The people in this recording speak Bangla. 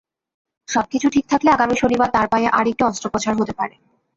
সবকিছু ঠিক থাকলে আগামী শনিবার তাঁর পায়ে আরেকটি অস্ত্রোপচার হতে পারে।